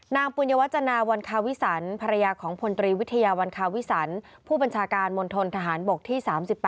ปุญวัจจนาวันคาวิสันภรรยาของพลตรีวิทยาวันคาวิสันผู้บัญชาการมณฑนทหารบกที่๓๘